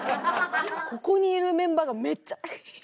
ここにいるメンバーがめっちゃフフフフ！